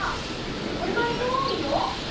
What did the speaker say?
そんなに多いの？